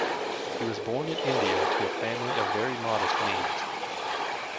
He was born in India to a family of very modest means.